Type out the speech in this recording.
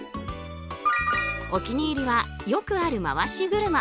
お気に入りは、よくある回し車。